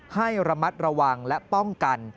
ให้ระมัดระวังและป้องกัน